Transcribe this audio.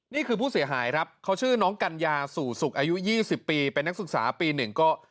นี่คือผู้เสียหายครับเขาชื่อน้องกัญญาสู่สุขอายุ๒๐ปีเป็นนักศึกษาปีหนึ่งก็